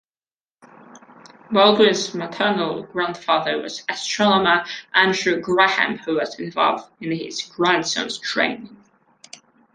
Baldwin's maternal grandfather was astronomer Andrew Graham who was involved in his grandson's training.